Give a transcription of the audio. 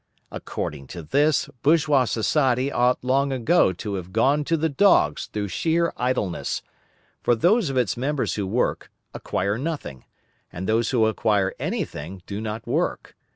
According to this, bourgeois society ought long ago to have gone to the dogs through sheer idleness; for those of its members who work, acquire nothing, and those who acquire anything, do not work.